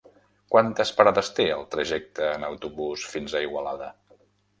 Quantes parades té el trajecte en autobús fins a Igualada?